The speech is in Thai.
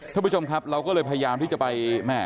ท่านผู้ชมครับเราก็เลยพยายามที่จะไปแม่